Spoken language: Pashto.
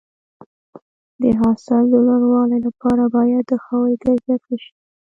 د حاصل د لوړوالي لپاره باید د خاورې کیفیت ښه شي.